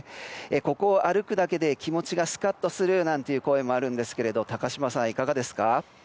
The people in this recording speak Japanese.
ここを歩くだけで気持ちがスカッとするというような声もあるんですけど高島さん、いかがですか？